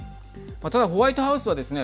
ただ、ホワイトハウスはですね